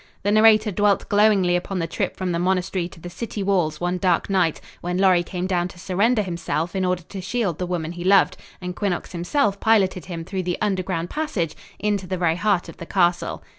The narrator dwelt glowingly upon the trip from the monastery to the city walls one dark night when Lorry came down to surrender himself in order to shield the woman he loved, and Quinnox himself piloted him through the underground passage into the very heart of the castle.